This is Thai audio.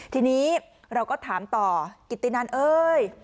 ทีนี้เราก็ถามต่อกิตตินันเอ้ย